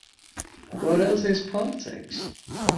What else is politics?